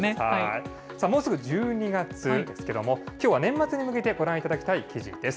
もうすぐ１２月ですけれども、きょうは年末に向けて、ご覧いただきたい記事です。